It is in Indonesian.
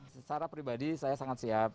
secara pribadi saya sangat siap